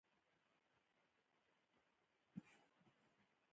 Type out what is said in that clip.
پیرودونکی د وفادار چلند مینهوال دی.